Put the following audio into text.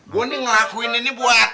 gue nih ngelakuin ini buat